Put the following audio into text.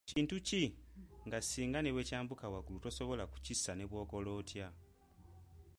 Kintu ki nga singa kyambuka waggulu tosobola kukissa ne bw'okola otya?